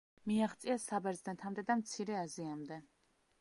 მიაღწიეს საბერძნეთამდე და მცირე აზიამდე.